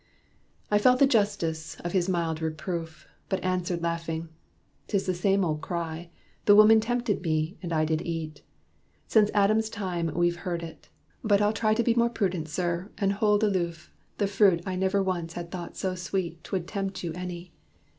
I felt the justice of his mild reproof, But answered laughing, "'Tis the same old cry: 'The woman tempted me, and I did eat.' Since Adam's time we've heard it. But I'll try And be more prudent, sir, and hold aloof The fruit I never once had thought so sweet 'Twould tempt you any.